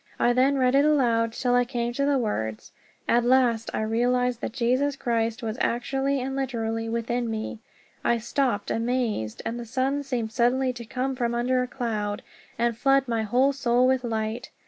I then read it aloud till I came to the words, "At last I realized that Jesus Christ was actually and literally within me." I stopped amazed. The sun seemed suddenly to come from under a cloud and flood my whole soul with light.